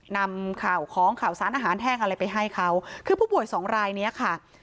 นำข่าวของข่าวสารอาหารแห้งอะไรไปให้เขาคือผู้ป่วยสองรายเนี้ยค่ะ